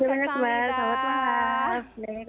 terima kasih banyak mbak